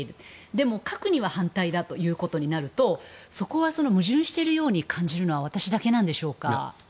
でも核には反対だということになるとそこは矛盾しているように感じるのは私だけでしょうか。